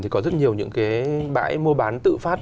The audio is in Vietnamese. thì có rất nhiều những cái bãi mua bán tự phát